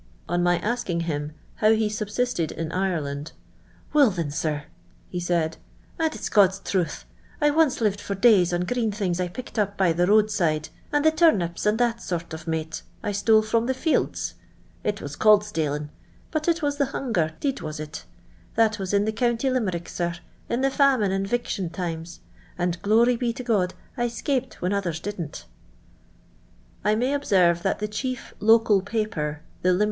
On my asking him how ho sub sisted in Ireland, *' Will, thin, sir,"' he said, "and it's (jod's truth, I once lived for days on green thinzs I picked up by the road side, and the turnips, <ind that sort of mate I stole from the fields. It was called staling, but it was the huni(«»r, 'deed was it. That was in the county Limerick, sir, in the famine and 'viction times ; and, j;lory be to God, I 'scaped when others didn't." I may observe that the chief local paper, the Tjihie.